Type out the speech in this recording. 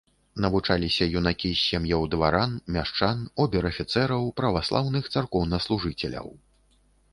Навучаліся юнакі з сем'яў дваран, мяшчан, обер-афіцэраў, праваслаўных царкоўнаслужыцеляў.